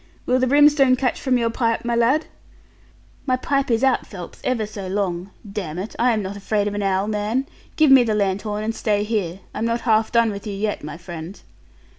Will the brimstone catch from your pipe, my lad?' 'My pipe is out, Phelps, ever so long. Damn it, I am not afraid of an owl, man. Give me the lanthorn, and stay here. I'm not half done with you yet, my friend.'